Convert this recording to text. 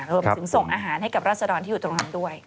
รวมถึงส่งอาหารให้กับราศดรที่อยู่ตรงนั้นด้วย